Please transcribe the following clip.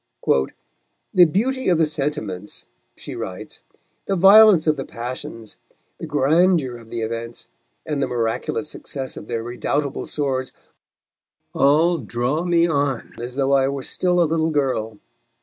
"The beauty of the sentiments," she writes, "the violence of the passions, the grandeur of the events, and the miraculous success of their redoubtable swords, all draw me on as though I were still a little girl."